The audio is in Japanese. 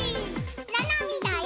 ななみだよ！